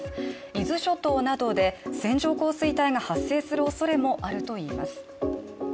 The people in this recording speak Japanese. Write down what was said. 伊豆諸島などで、線状降水帯が発生するおそれもあるといいます。